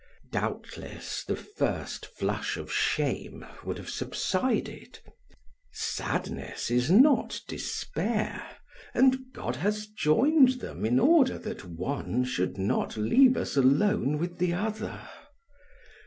Doubtless the first flush of shame would have subsided; sadness is not despair, and God has joined them in order that one should not leave us alone with the other.